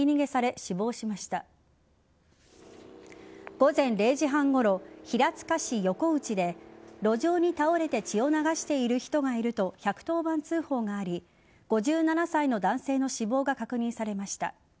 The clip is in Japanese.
午前０時半ごろ平塚市横内で路上に倒れて血を流している人がいると１１０番通報があり５７歳の男性の死亡が確認されました。